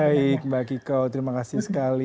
baik mbak kiko terima kasih sekali